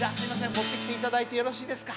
持ってきていただいてよろしいですか？